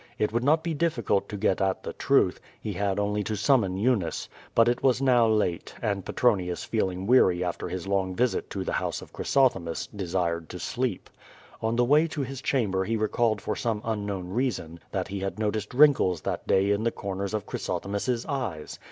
It would not be difficult to get at the truth; he had only to summon Eunice, but it was now late, and Petronius feeling weary after his long visit to the house of Chrysothemis, desired to sleep. On the way to his chamber he recalled for some unknown reason that he had noticed wrinkles that day in the corners of Chrysothemis's eyes.